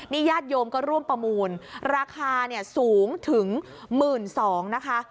นี่ยาดโยมก็ร่วมประมูลราคาเนี้ยสูงถึงหมื่นสองนะคะ